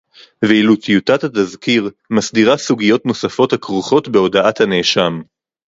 ואילו טיוטת התזכיר מסדירה סוגיות נוספות הכרוכות בהודאת הנאשם